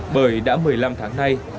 bởi đã một mươi năm tháng nay